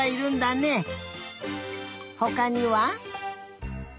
ほかには？